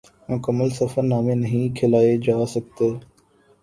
مکمل سفر نامے نہیں کھلائے جا سکتے